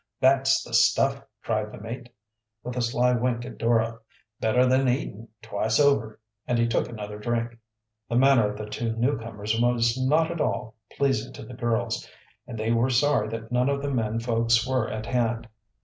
"That's the stuff!" cried the mate, with a sly wink at Dora. "Better than eatin,' twice over," and he took another drink. The manner of the two newcomers was not at all pleasing to the girls, and they were sorry that none of the men folks were at hand.